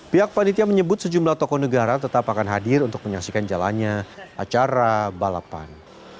pihak panitia menyebut sejumlah tokoh negara tetap akan hadir untuk menyaksikan jalannya acara balapan